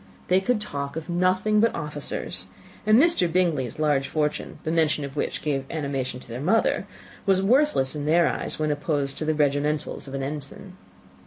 They could talk of nothing but officers; and Mr. Bingley's large fortune, the mention of which gave animation to their mother, was worthless in their eyes when opposed to the regimentals of an ensign.